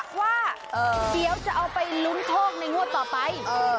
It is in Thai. ว่าเดี๋ยวจะเอาไปลุ้นโชคในงวดต่อไป